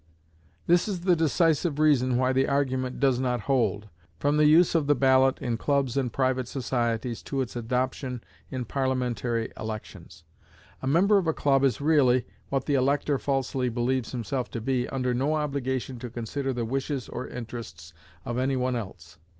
This is the decisive reason why the argument does not hold, from the use of the ballot in clubs and private societies to its adoption in parliamentary elections. A member of a club is really, what the elector falsely believes himself to be, under no obligation to consider the wishes or interests of any one else.